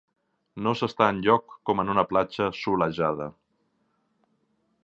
No s'està enlloc com en una platja solejada.